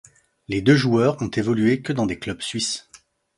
Les deux joueurs ont évolué que dans des clubs suisses.